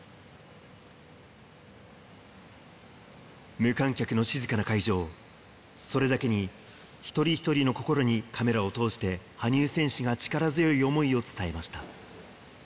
無観客の静かな会場、それだけに、一人一人の心にカメラを通して、羽生選手が力強い想いを伝えました。